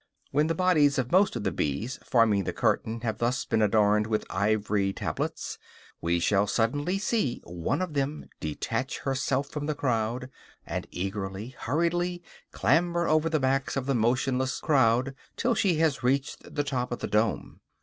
When the bodies of most of the bees forming the curtain have thus been adorned with ivory tablets, we shall suddenly see one of them detach herself from the crowd, and eagerly, hurriedly, clamber over the backs of the motionless crowd till she has reached the top of the dome.